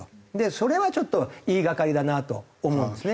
それはちょっと言いがかりだなと思うんですね。